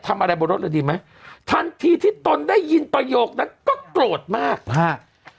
อะไรบนรถเลยดีไหมทันทีที่ตนได้ยินประโยคนั้นก็โกรธมากฮะ